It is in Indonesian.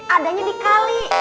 adanya di kali